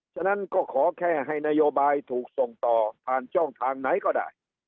ฉะนั้นก็ขอแค่ให้นโยบายถูกส่งต่อผ่านช่องทางไหนก็ได้